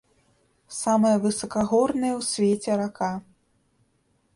Самая высакагорная ў свеце рака.